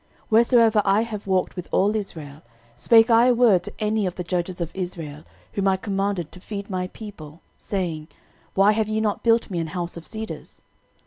13:017:006 Wheresoever I have walked with all Israel, spake I a word to any of the judges of Israel, whom I commanded to feed my people, saying, Why have ye not built me an house of cedars?